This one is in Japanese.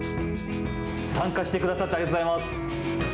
参加してくださってありがとうございます。